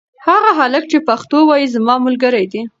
هغه هلک چې پښتو وايي زما ملګری دی.